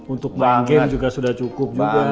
untuk main game juga sudah cukup juga